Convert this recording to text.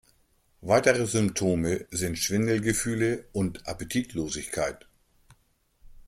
Weitere Symptome sind Schwindelgefühle und Appetitlosigkeit.